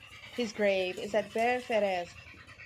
His grave is at Bere Ferrers.